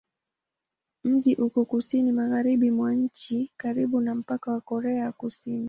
Mji uko kusini-magharibi mwa nchi, karibu na mpaka na Korea ya Kusini.